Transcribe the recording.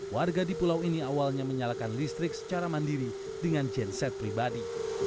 warga di pulau ini awalnya menyalakan listrik secara mandiri dengan genset pribadi